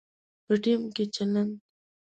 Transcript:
په ټیم کې چلند